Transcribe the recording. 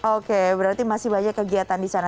oke berarti masih banyak kegiatan di sana